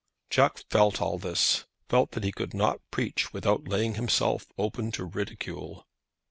Jack felt all this, felt that he could not preach without laying himself open to ridicule.